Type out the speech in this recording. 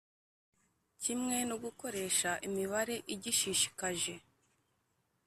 Kimwe no gukoresha imibare igishishikaje